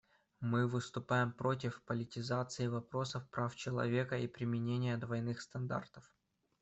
Мы выступаем против политизации вопросов прав человека и применения двойных стандартов.